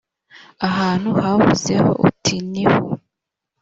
ahantu wavuzeho uti ni ho